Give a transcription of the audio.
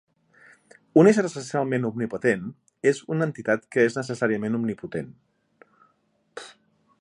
Un ésser essencialment omnipotent és una entitat que és necessàriament omnipotent.